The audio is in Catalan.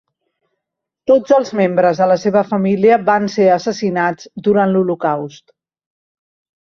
Tots els membres de la seva família van ser assassinats durant l'Holocaust.